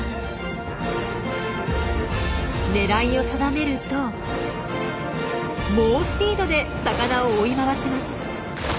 狙いを定めると猛スピードで魚を追い回します。